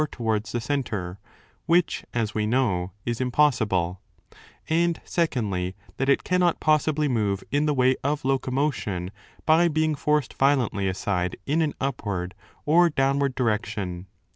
8 towards the centre, which, as we know, is impossible) ; and, secondly, that it cannot possibly move in the way of locomotion by being forced violently aside in an upward or downward direction.